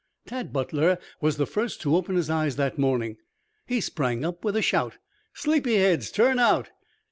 Tad Butler was the first to open his eyes that morning. He sprang up with a shout. "Sleepy heads! Turn out!"